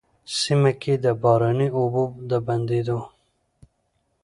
سيمه کي د باراني اوبو د بندېدو،